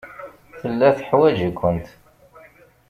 Tella teḥwaj-ikent.